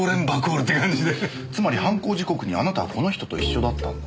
つまり犯行時刻にあなたはこの人と一緒だったんだ。